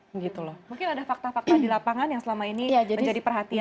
mungkin ada fakta fakta di lapangan yang selama ini menjadi perhatian